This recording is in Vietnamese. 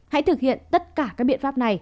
hãy thực hiện tất cả các biện pháp này